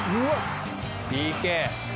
ＰＫ。